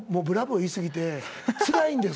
言い過ぎてつらいんです」